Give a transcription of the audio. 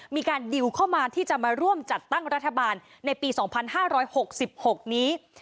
มีการดิวเข้ามาที่จะมาร่วมจัดตั้งรัฐบาลในปี๒๕๖๖นี้